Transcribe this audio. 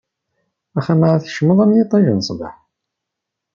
Axxam ara tkecmeḍ, am yiṭij n ṣṣbeḥ.